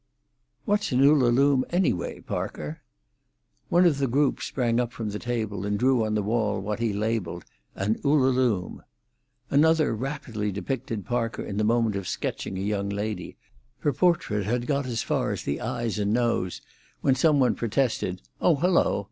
"What's an Ullalume, anyway, Parker?" One of the group sprang up from the table and drew on the wall what he labelled "An Ullalume." Another rapidly depicted Parker in the moment of sketching a young lady; her portrait had got as far as the eyes and nose when some one protested: "Oh, hello!